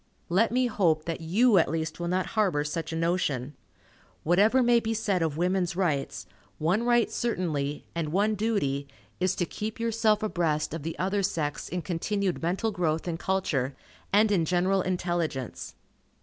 Let me hope that you at least will not harbor such a notion. Whatever may be said of "women's rights," one right certainly, and one duty, is to keep yourself abreast of the other sex in continued mental growth and culture, and in general intelligence.